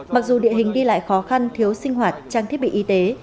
mặc dù địa hình đi lại khó khăn thiếu sinh hoạt trang thiết bị y tế